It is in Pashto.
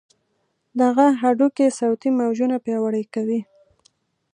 دغه هډوکي صوتي موجونه پیاوړي کوي.